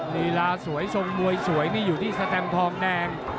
ลีลาสวยทรงมวยสวยนี่อยู่ที่สแตมทองแดง